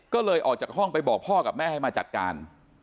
ก็เลยออกจากห้องไปบอกพ่อกับแม่ให้มาจัดการ